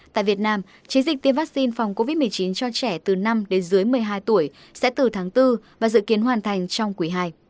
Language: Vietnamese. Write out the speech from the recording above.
tại việt nam chiến dịch tiêm vaccine phòng covid một mươi chín cho trẻ từ năm một mươi hai tuổi sẽ từ tháng bốn và dự kiến hoàn thành trong quỷ hai